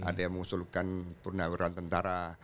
ada yang mengusulkan pernawiran tentara